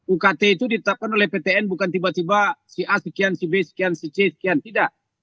ukt itu ditetapkan oleh ptn bukan tiba tiba si a sekian si b sekian si c sekian tidak